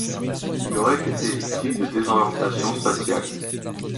Il aurait été victime de désorientation spatiale.